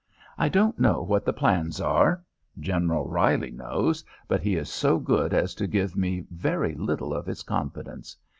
I don't know what the plans are. General Reilly knows, but he is so good as to give me very little of his confidence.